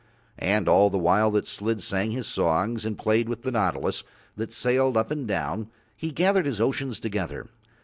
And all the while that Slid sang his songs and played with the nautilus that sailed up and down he gathered his oceans together.